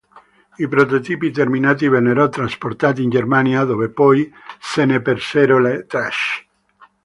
I prototipi terminati vennero trasportati in Germania, dove poi se ne persero le tracce.